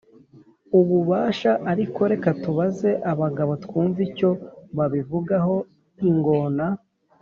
ububasha Ariko reka tubaze abagabo twumve icyo babivugaho Ingona